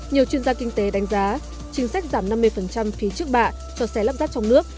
nhiều chuyên gia kinh tế đánh giá chính sách giảm năm mươi phí trước bạ cho xe lắp ráp trong nước